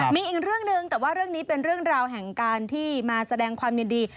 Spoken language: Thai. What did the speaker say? มีอีกเรื่องหนึ่งแต่ว่าเรื่องนี้เป็นเรื่องราวแห่งการที่มาแสดงความยินดี